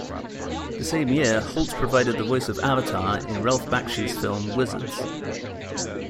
The same year, Holt provided the voice of Avatar in Ralph Bakshi's film "Wizards".